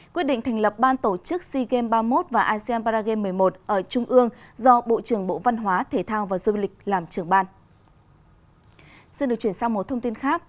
quyết định thành lập ban tổ chức sea games ba mươi một và asean paragame một mươi một ở trung ương do bộ trưởng bộ văn hóa thể thao và du lịch làm trưởng ban